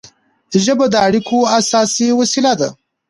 ژبه د اړیکو اساسي وسیله ده.